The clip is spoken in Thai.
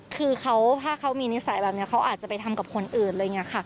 คือถ้าเขามีนิสัยแบบนี้เขาอาจจะไปทำกับคนอื่นอะไรอย่างนี้ค่ะ